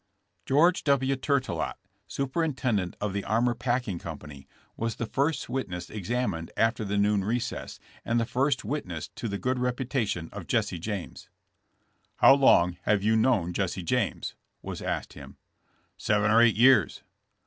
" George TV. Tourtellot, superintendent of the Armour Packing company, was the first witness ex amined after the noon recess and the first witness to the good reputation of Jesse James. "How long have you known Jesse James?" was asked him. *' Seven or eight years."